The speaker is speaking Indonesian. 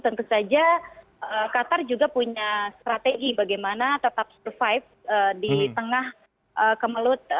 tentu saja qatar juga punya strategi bagaimana tetap survive di tengah kemelut